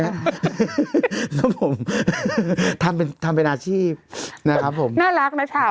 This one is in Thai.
ครับผมทำเป็นทำเป็นอาชีพนะครับผมน่ารักนะชาว